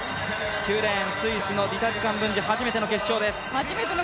９レーン、スイスのディタジ・カンブンジ、初めての決勝です。